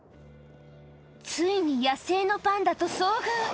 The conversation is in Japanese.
ついに野生のパンダと遭遇。